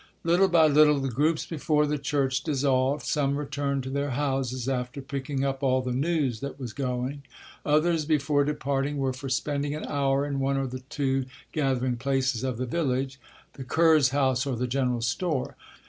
Little by little the groups before the church dissolved. Some returned to their houses, after picking up all the news that was going; others, before departing, were for spending an hour in one of the two gathering places of the village; the curé's house or the general store.